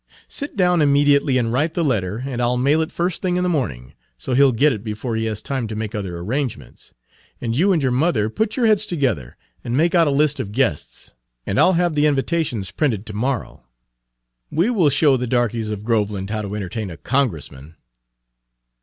Sit down immediately and write the letter and I'll mail it first thing in the morning, so he 'll get it before he has time to make other arrangements. And you and your mother put your heads together and make out a list of guests, and I 'll have the invitations Page 111 printed to morrow. We will show the darkeys of Groveland how to entertain a Congressman."